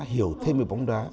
hiểu thêm về bóng đá